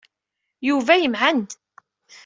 Yuba yemɛen.